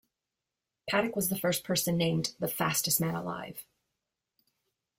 Paddock was the first person named "The fastest man alive".